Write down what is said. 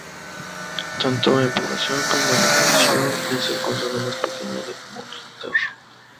Tanto en población como en extensión, es el condado más pequeño de Munster.